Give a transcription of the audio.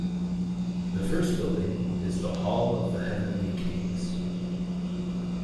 The first building is the "Hall of the Heavenly Kings".